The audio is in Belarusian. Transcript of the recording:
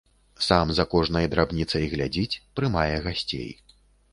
Сам за кожнай драбніцай глядзіць, прымае гасцей.